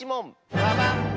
ババン！